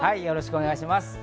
よろしくお願いします。